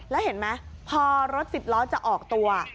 แล้วเห็นไหมพอรถสิบล้อจะออกตัว